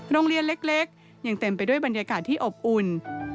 โรงเรียนเล็กยังเต็มไปด้วยบรรยากาศที่อบอุ่น